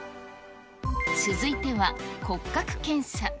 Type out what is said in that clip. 続いては骨格検査。